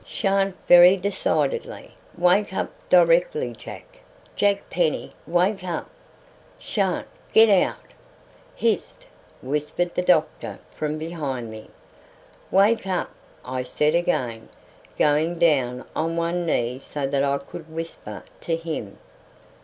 "Shan't!" very decidedly. "Wake up directly, Jack! Jack Penny, wake up!" "Shan't! Get out!" "Hist!" whispered the doctor from behind me. "Wake up!" I said again, going down on one knee so that I could whisper to him.